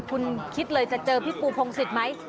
คุณคิดเลยจะเจอพี่ปูพงศิษย์ไหม